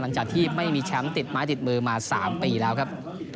หลังจากที่ไม่มีแชมป์ติดไม้ติดมือมา๓ปีแล้วครับ